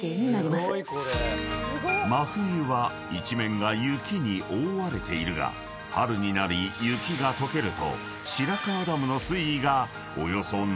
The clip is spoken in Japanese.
［真冬は一面が雪に覆われているが春になり雪が解けると］